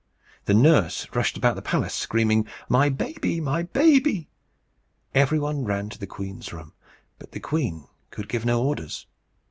The nurse rushed about the palace, screaming, "My baby! my baby!" Every one ran to the queen's room. But the queen could give no orders.